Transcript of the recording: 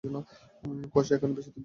কুয়াশা এখানে বেশি তীব্র হয়না।